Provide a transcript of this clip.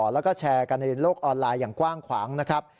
แล้วก็แชร์กันในโลกออนไลน์อย่างกว้างขวางนะครับ